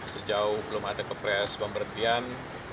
sejauh belum ada kepres pemberhentian